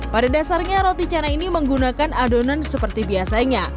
pada dasarnya roti cana ini menggunakan adonan seperti biasanya